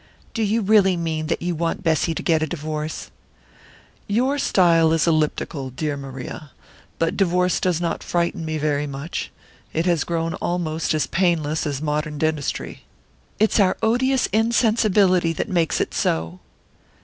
"Do you really mean that you want Bessy to get a divorce?" "Your style is elliptical, dear Maria; but divorce does not frighten me very much. It has grown almost as painless as modern dentistry." "It's our odious insensibility that makes it so!"